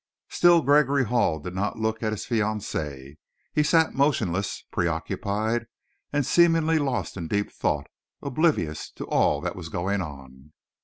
Still Gregory Hall did not look at his fiancee. He sat motionless, preoccupied, and seemingly lost in deep thought, oblivious to all that was going on.